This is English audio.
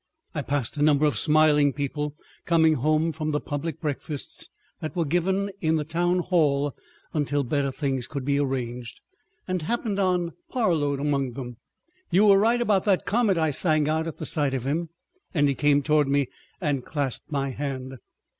I passed a number of smiling people coming home from the public breakfasts that were given in the Town Hall until better things could be arranged, and happened on Parload among them. "You were right about that comet," I sang out at the sight of him; and he came toward me and clasped my hand.